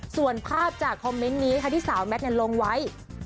ส่วนภาพจากคอมเมนต์นี้ค่ะที่สาวแมทลงไว้